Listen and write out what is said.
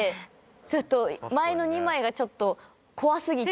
ちょっと前の２枚がちょっと怖過ぎて。